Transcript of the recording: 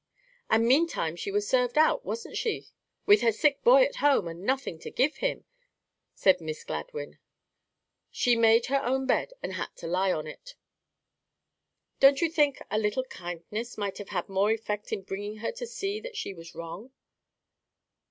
"And meantime she was served out, wasn't she? With her sick boy at home, and nothing to give him?" said Miss Gladwyn. "She made her own bed, and had to lie on it." "Don't you think a little kindness might have had more effect in bringing her to see that she was wrong."